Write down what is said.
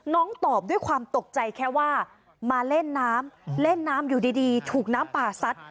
ตอบด้วยความตกใจแค่ว่ามาเล่นน้ำเล่นน้ำอยู่ดีถูกน้ำป่าซัด